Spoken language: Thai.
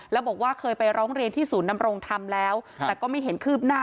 แล้วบอกว่าเคยไปร้องเรียนที่ศูนย์นำรงธรรมแล้วแต่ก็ไม่เห็นคืบหน้า